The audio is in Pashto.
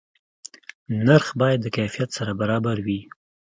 نرخ باید د کیفیت سره برابر وي.